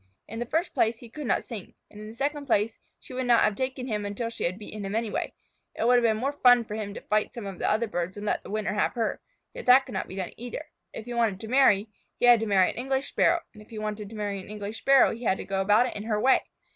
In the first place, he could not sing, and in the second place she would not have taken him until she had beaten him anyway. It would have been more fun for him to fight some of the other birds and let the winner have her, yet that could not be done either. If he wanted to marry, he had to marry an English Sparrow, and if he wanted to marry an English Sparrow he had to go about it in her way.